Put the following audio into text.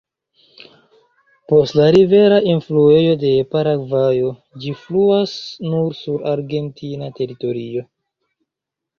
Post la rivera enfluejo de Paragvajo, ĝi fluas nur sur argentina teritorio.